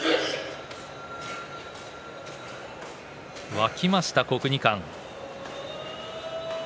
沸きました国技館。